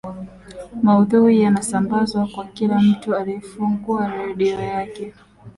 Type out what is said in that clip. maudhui yanasambazwa kwa kila mtu aliyefungua redio yake